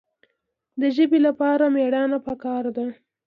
د ژبې لپاره مېړانه پکار ده.